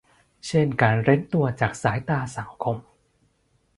เช่นการเร้นตัวจากสายตาสังคม